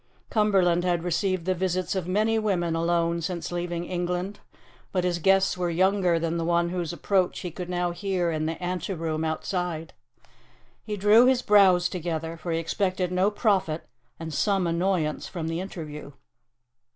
Cumberland had received the visits of many women alone since leaving England, but his guests were younger than the one whose approach he could now hear in the anteroom outside. He drew his brows together, for he expected no profit and some annoyance from the interview.